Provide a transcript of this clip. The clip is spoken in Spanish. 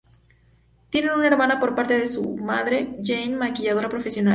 Tiene una hermana por parte de madre, Jeanne, maquilladora profesional.